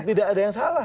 tidak ada yang salah